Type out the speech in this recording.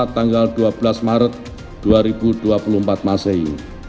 tanggal dua belas maret dua ribu dua puluh empat masehi